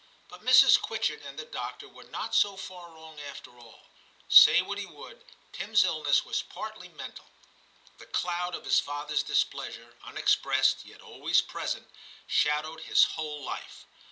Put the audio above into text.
But Mrs. Quitchett and the doctor were not so far wrong after all ; say what he would, Tim's illness was partly mental. The cloud of his fathers displeasure, un expressed yet always present, shadowed his whole life.